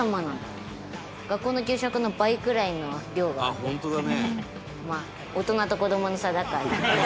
「あっホントだね」